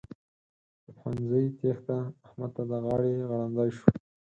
له پوهنځي تېښته؛ احمد ته د غاړې غړوندی شو.